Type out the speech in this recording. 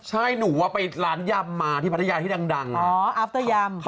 ใช่หนูว่าไปร้านยำมาที่พัทยาที่ดังอ๋ออาฟเตอร์ยำ